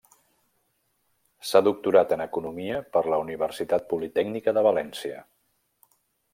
S'ha doctorat en Economia per la Universitat Politècnica de València.